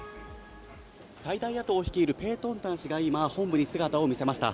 最大野党を率いるペートンタン氏が今、本部に姿を見せました。